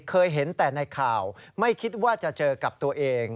เคยเห็นแต่ในข่าวไม่คิดว่าจะเจอกับตัวเอง